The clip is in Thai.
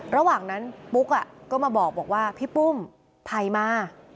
ระหว่างนั้นปุ๊กก็มาบอกว่าพี่ปุ้มไผ่มา